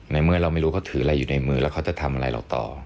เมื่อเราไม่รู้เขาถืออะไรอยู่ในมือแล้วเขาจะทำอะไรเราต่อ